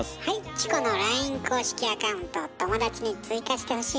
チコのＬＩＮＥ公式アカウントを「友だち」に追加してほしいわ。